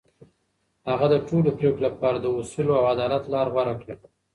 هغه د ټولو پرېکړو لپاره د اصولو او عدالت لار غوره کړه.